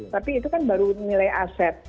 tapi itu kan baru nilai aset